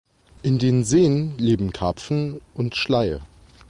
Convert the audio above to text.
In den Seen leben Karpfen und Schleie.